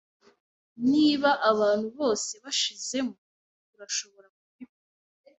Niba abantu bose bashizemo, turashobora kubikora.